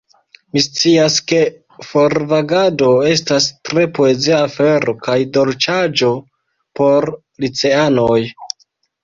Mi scias, ke forvagado estas tre poezia afero kaj dolĉaĵo por liceanoj.